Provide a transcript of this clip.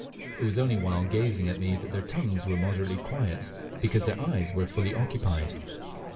It was only while gazing at me that their tongues were moderately quiet, because their eyes were fully occupied.